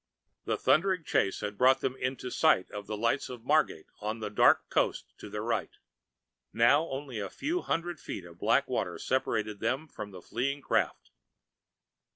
The thundering chase had brought them into sight of the lights of Margate on the dark coast to their right. Now only a few hundred feet of black water separated them from the fleeing craft.